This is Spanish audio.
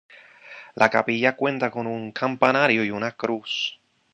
La capilla cuenta con un campanario y una cruz.